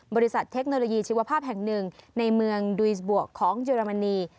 เทคโนโลยีชีวภาพแห่งหนึ่งในเมืองดุยสบวกของเยอรมนี